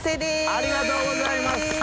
ありがとうございます！